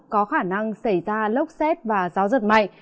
có khả năng xảy ra lốc xét và gió giật mạnh